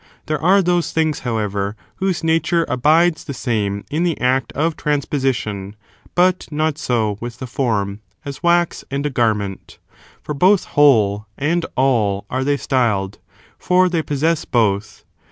There are those things, however, whose nature abides the same in the act of trans position ; but not so with the form, as wax and a garment : for both whole and all are they styled, for they possess both.